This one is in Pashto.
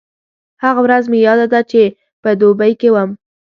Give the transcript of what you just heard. هغه ورځ مې یاده ده چې په دوبۍ کې وم.